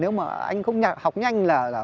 nếu mà anh không học nhanh là